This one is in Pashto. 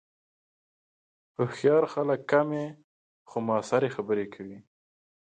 هوښیار خلک کمې، خو مؤثرې خبرې کوي